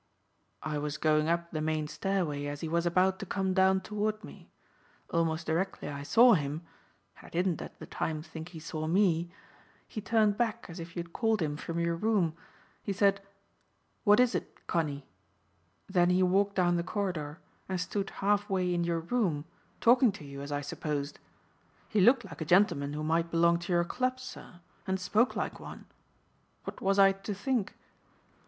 "I was going up the main stairway as he was about to come down toward me. Almost directly I saw him and I didn't at the time think he saw me he turned back as if you had called him from your room. He said, 'What is it, Connie?' then he walked down the corridor and stood half way in your room talking to you as I supposed. He looked like a gentleman who might belong to your clubs, sir, and spoke like one. What was I to think?"